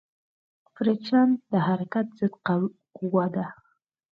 فریکشن د حرکت ضد قوې ده.